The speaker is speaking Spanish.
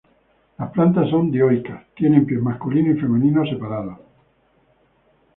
Las plantas son dioicas, tienen pies masculinos y femeninos separados.